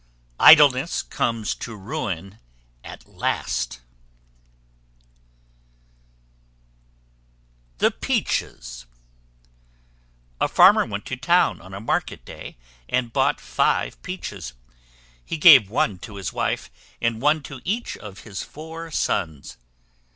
Idleness comes to ruin, at last. THE PEACHES. A Farmer went to town, on a market day, and bought five peaches. He gave one to his wife, and one to each of his four sons.